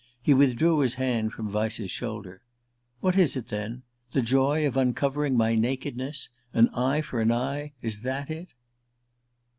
He withdrew his hand from Vyse's shoulder. "What is it, then? The joy of uncovering my nakedness? An eye for an eye? Is it _that?